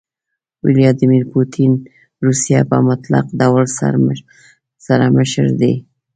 ويلاديمير پوتين روسيه په مطلق ډول سره مشر دي.